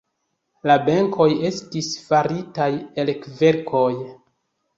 La benkoj estis faritaj el kverkoj.